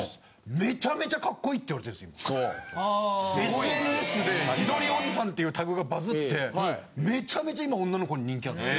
ＳＮＳで「自撮りおじさん」っていうタグがバズってめちゃめちゃ今女の子に人気あって。